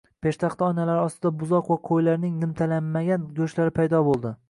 Peshtaxta oynalari ostida buzoq va qo`ylarning nimtalanmagan go`shtlari paydo bo`ldi